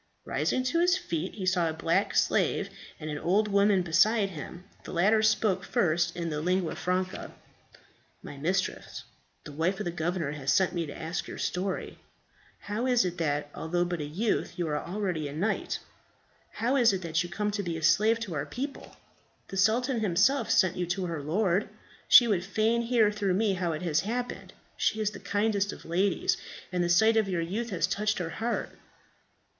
Rising to his feet, he saw a black slave, and an old woman beside him. The latter spoke first in the lingua franca, "My mistress, the wife of the governor, has sent me to ask your story. How is it that, although but a youth, you are already a knight? How is it that you come to be a slave to our people? The sultan himself sent you to her lord. She would fain hear through me how it has happened. She is the kindest of ladies, and the sight of your youth has touched her heart."